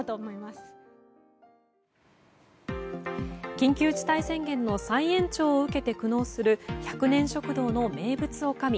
緊急事態宣言の再延長を受けて苦悩する１００年食堂の名物おかみ。